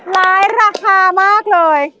ร้ายราคามากเลย